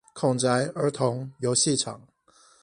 孔宅兒童遊戲場